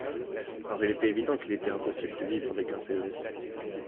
Or il était évident qu’il était impossible de vivre avec un CES.